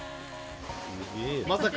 まさか。